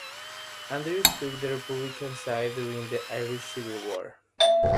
Andrews took the Republican side during the Irish Civil War.